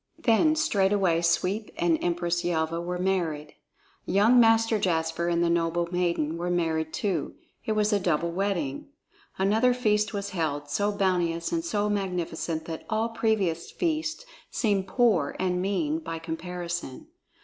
Then straightway Sweep and Empress Yelva were married. Young Master Jasper and the noble maiden were married too; it was a double wedding. Another feast was held, so bounteous and so magnificent that all previous feasts seemed poor and mean by comparison.